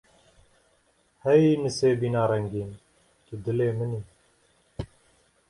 Hey Nisêbîna rengîn tu dilê min î.